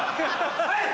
・はい！